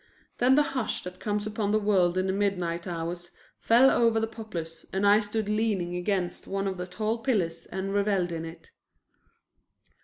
Then the hush that comes upon the world in the midnight hours fell over the Poplars and I stood leaning against one of the tall pillars and reveled in it.